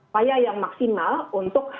paya yang maksimal untuk